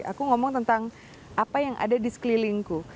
aku ngomong tentang apa yang ada di sekelilingku